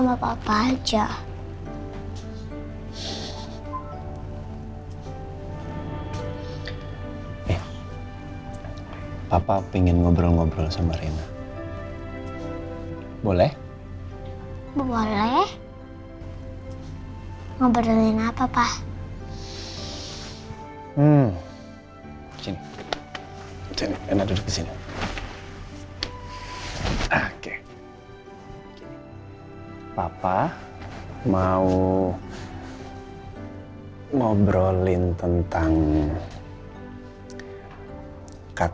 maafin kesalahan om baik